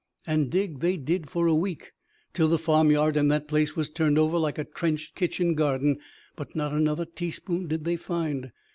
And dig they did for a week, till the farmyard in that place was turned over like a trenched kitchen garden. But not another teaspoon did they find.